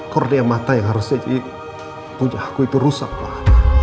punya aku itu rusak pak